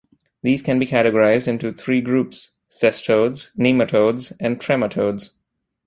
These can be categorized into three groups; cestodes, nematodes and trematodes.